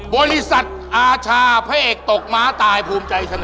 บริษัทอาชาพระเอกตกม้าตายภูมิใจเสนอ